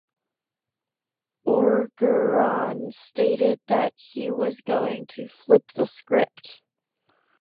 Orgeron stated that he was going to "flip the script".